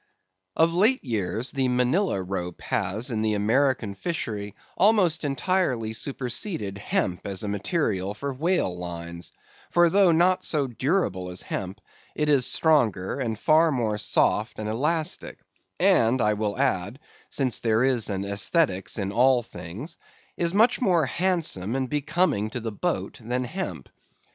Of late years the Manilla rope has in the American fishery almost entirely superseded hemp as a material for whale lines; for, though not so durable as hemp, it is stronger, and far more soft and elastic; and I will add (since there is an æsthetics in all things), is much more handsome and becoming to the boat, than hemp.